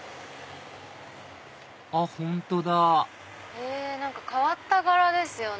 あっ本当だ変わった柄ですよね。